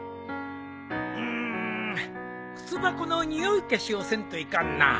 ん靴箱の臭い消しをせんといかんなあ。